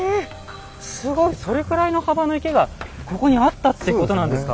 すごい！それくらいの幅の池がここにあったってことなんですか。